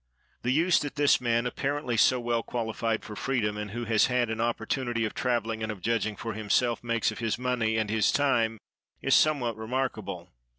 The use that this man, apparently so well qualified for freedom, and who has had an opportunity of travelling and of judging for himself, makes of his money and his time, is somewhat remarkable.